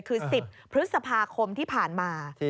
คือ๑๐พฤษภาคมที่ผ่านมา